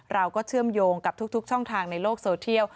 เชื่อมโยงกับทุกช่องทางในโลกโซเทียล